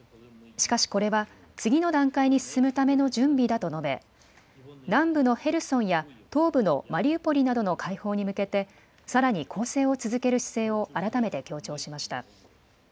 しかしこれは、次の段階に進むための準備だと述べ、南部のヘルソンや東部のマリウポリなどの解放に向けて、さらに攻勢を続ける姿勢を改めて強調しました。